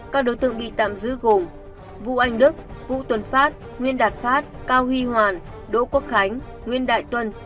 các đối tượng bị tạm giữ gồm vũ anh đức vũ tuần phát nguyên đạt phát cao huy hoàn đỗ quốc khánh nguyễn đại tuân